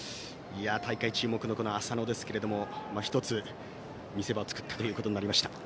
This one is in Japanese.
大会注目の浅野ですけども１つ、見せ場を作ったということになりました。